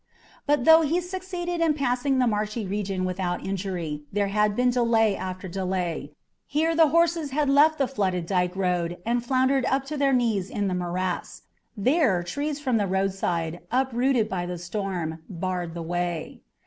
But though he succeeded in passing the marshy region without injury, there had been delay after delay; here the horses had left the flooded dike road and floundered up to their knees in the morass, there trees from the roadside, uprooted by the storm, barred the way.